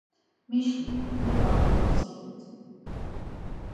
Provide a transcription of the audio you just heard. Mişlit leba kodobskidit.